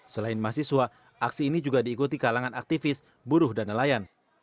selain mahasiswa aksi ini juga diikuti kalangan aktivis buruh dan nelayan